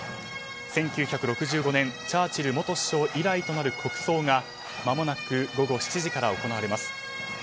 １９６５年チャーチル元首相以来となる国葬がまもなく午後７時から行われます。